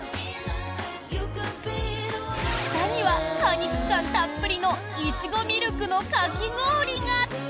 下には、果肉感たっぷりのイチゴミルクのかき氷が。